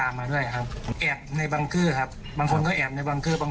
มาด้วยครับผมแอบในบังเกอร์ครับบางคนก็แอบในบังเกอร์บาง